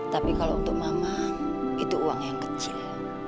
tapi kalau untuk mama itu uang yang kecil